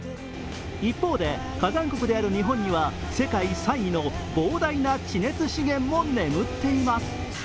一方で火山国である日本には世界３位の膨大な地熱資源も眠っています。